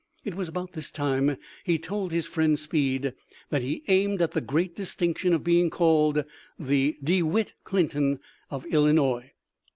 It was about this time he told his friend Speed that he aimed at the great distinction of being called the ' DeWitt Clinton of Illinois.'